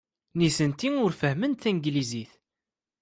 Nitenti ur fehhment tanglizit.